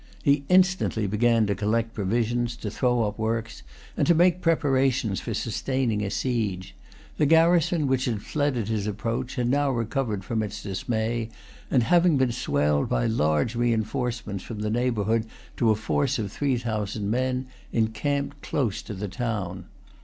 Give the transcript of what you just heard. He instantly began to collect provisions, to throw up works, and to make preparations for sustaining a siege. The garrison, which had fled at his approach, had now recovered from its dismay, and, having been swelled by large reinforcements from the neighbourhood to a force of three thousand men, encamped close to the town.